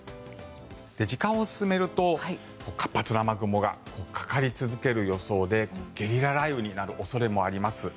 時間を進めると活発な雨雲がかかり続ける予想でゲリラ雷雨になる恐れもあります。